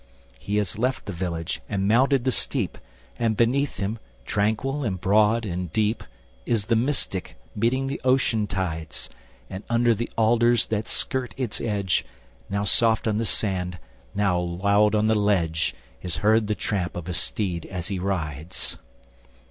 He has left the village and mounted the steep, And beneath him, tranquil and broad and deep, Is the Mystic, meeting the ocean tides; And under the alders, that skirt its edge, Now soft on the sand, now loud on the ledge, Is heard the tramp of his steed as he rides.